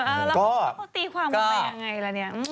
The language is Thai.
เออแล้วตีความมดมันยังไงละเนี่ย